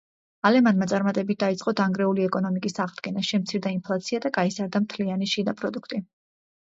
ალემანმა წარმატებით დაიწყო დანგრეული ეკონომიკის აღდგენა, შემცირდა ინფლაცია და გაიზარდა მთლიანი შიდა პროდუქტი.